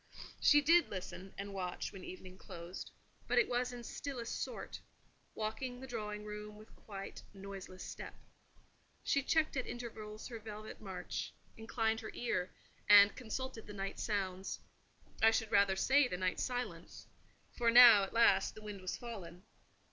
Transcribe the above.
She did listen, and watch, when evening closed; but it was in stillest sort: walking the drawing room with quite noiseless step. She checked at intervals her velvet march; inclined her ear, and consulted the night sounds: I should rather say, the night silence; for now, at last, the wind was fallen.